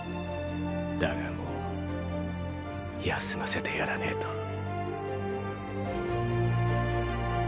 だがもう休ませてやらねぇと。